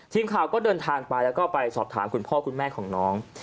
ทีมข่าวก็เดินทางไปแล้วก็ไปสอบถามคุณพ่อคุณแม่ของน้อง